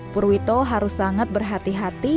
purwito harus sangat berhati hati